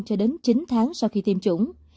cho đến chín tháng sau khi tiêm chủng